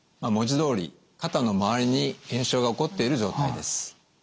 文字どおり肩の周りに炎症が起こっている状態です。